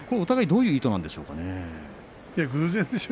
どういう意図なんでしょうかね。